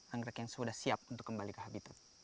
anggrek yang sudah siap untuk kembali ke habitat